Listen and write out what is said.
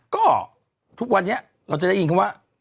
ก็ทุกวันนี้เราจะได้ยินคำว่า